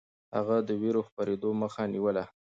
هغه د وېرو خپرېدو مخه نيوله.